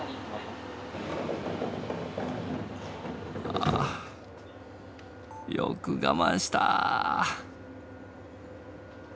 ああよく我慢した。